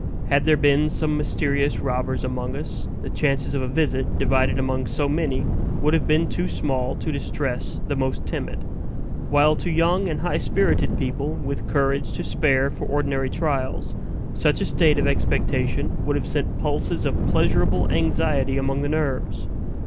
Had there been some mysterious robbers among us, the chances of a visit, divided among so many, would have been too small to distress the most timid; while to young and high spirited people, with courage to spare for ordinary trials, such a state of expectation would have sent pulses of pleasurable anxiety among the nerves.